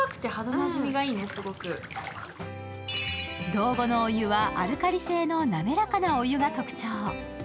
道後のお湯はアルカリ性のなめらかなお湯が特徴。